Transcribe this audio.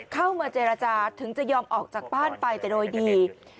เข้ามาเจรจาถึงจะยอมออกจากบ้านไปแต่โดยดี